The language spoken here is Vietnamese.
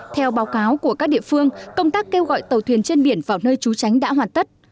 theo báo cáo của các địa phương công tác kêu gọi tàu thuyền trên biển vào nơi trú tránh đã hoàn tất